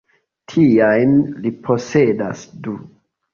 Tiajn li posedas du.